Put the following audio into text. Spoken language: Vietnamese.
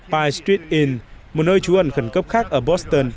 pye street inn một nơi trú ẩn khẩn cấp khác ở boston